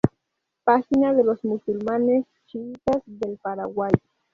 Página de los musulmanes Chiitas del Paraguay